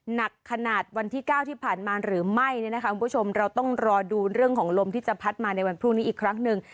หนักขนาดวันที่๙ที่ผ่านมาหรือไม่เราต้องรอดูเรื่องของลมที่จะพัดมาในวันพรุ่งนี้อีกครั้งนึง